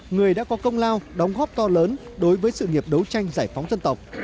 người đã có công lao đóng góp to lớn đối với sự nghiệp đấu tranh giải phóng dân tộc